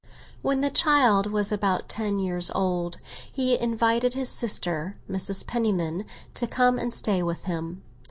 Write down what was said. II WHEN the child was about ten years old, he invited his sister, Mrs. Penniman, to come and stay with him.